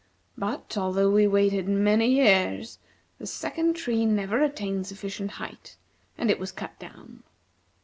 But, although we waited many years the second tree never attained sufficient height, and it was cut down."